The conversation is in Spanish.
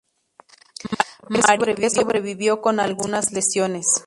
Manrique sobrevivió con algunas lesiones.